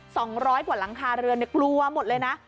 สองร้อยปวดหลังคาเรือนกลัวหมดเลยนะ